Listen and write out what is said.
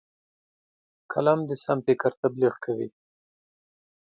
قلم د سم فکر تبلیغ کوي